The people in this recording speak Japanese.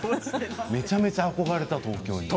めちゃめちゃ憧れた、東京に。